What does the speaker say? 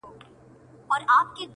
هغه له پاڼو تشه توره ونه-